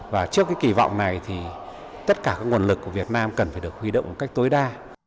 và trước cái kỳ vọng này thì tất cả các nguồn lực của việt nam cần phải được huy động một cách tối đa